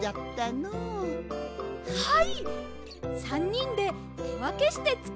はい！